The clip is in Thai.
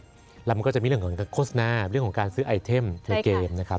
แล้วมันก็จะมีเรื่องของโฆษณาเรื่องของการซื้อไอเทมในเกมนะครับ